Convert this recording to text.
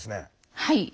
はい。